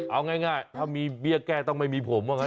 เอาง่ายถ้ามีเบี้ยแก้ต้องไม่มีผมว่างั้น